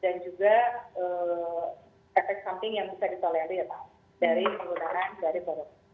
dan juga efek samping yang bisa disoleli dari penggunaan dari kloroquine